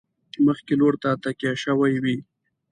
مخکې لور ته تکیه شوي وي.